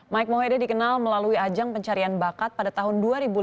mike mohede dikenal melalui ajang pencarian bakat pada tahun dua ribu lima belas